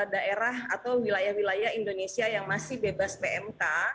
daerah atau wilayah wilayah indonesia yang masih bebas pmk